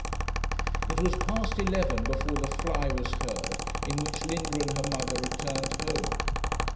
It was past eleven before the fly was heard in which Linda and her mother returned home.